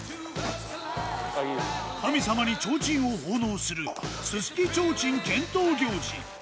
神様に提灯を奉納するススキ提灯献灯行事。